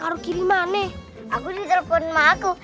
aku ditelpon sama aku